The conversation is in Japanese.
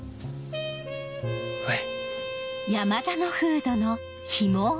はい。